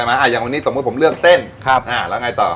ใช่ไหมอย่างวันนี้สมมุติผมเลือกเส้นแล้วไงต่อ